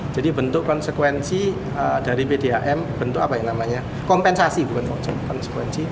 jadi bentuk konsekuensi dari pdam bentuk apa yang namanya kompensasi bukan